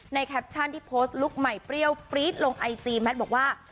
แคปชั่นที่โพสต์ลุคใหม่เปรี้ยวปรี๊ดลงไอจีแมทบอกว่า